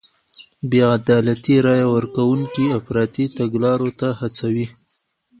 بې عدالتۍ رای ورکوونکي افراطي تګلارو ته هڅوي.